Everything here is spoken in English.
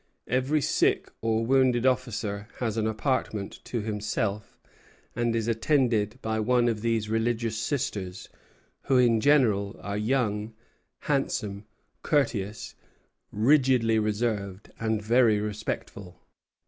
Every sick or wounded officer has an apartment to himself, and is attended by one of these religious sisters, who in general are young, handsome, courteous, rigidly reserved, and very respectful.